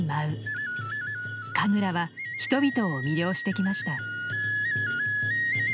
神楽は人々を魅了してきました。